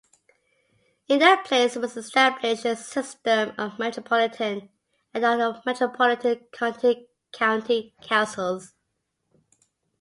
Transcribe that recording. In their place was established a system of metropolitan and non-metropolitan county councils.